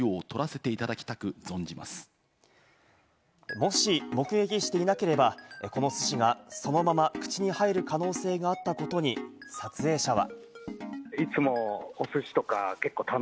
もし目撃していなければ、このすしが、そのまま口に入る可能性があったことに、撮影者は。